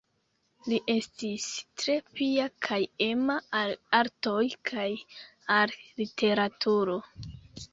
Li estis tre pia kaj ema al artoj kaj al literaturo.